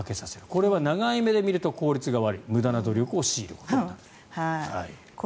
これは長い目で見ると効率が悪い無駄な努力を強いることになる。